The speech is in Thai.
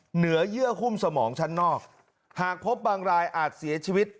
เหนือเยื่อหุ้มสมองชั้นนอกหากพบบางรายอาจเสียชีวิต